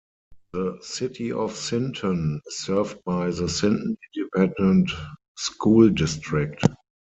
The City of Sinton is served by the Sinton Independent School District.